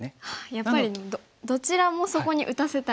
やっぱりどちらもそこに打たせたい。